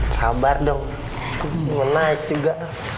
sabar dong menaik juga